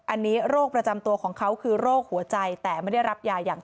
อันนี้โรคประจำตัวของเขาคือโรคหัวใจแต่ไม่ได้รับยาอย่าง